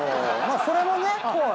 まあそれもね。